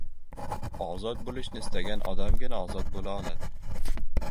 Ozod bo‘lishni istagan odamgina ozod bo‘la oladi.